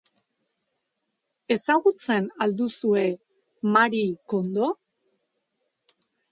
Ezagutzen al duzue Marie Kondo?